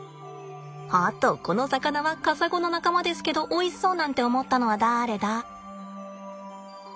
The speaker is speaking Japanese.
あっとこの魚はカサゴの仲間ですけどおいしそうなんて思ったのはだれだ？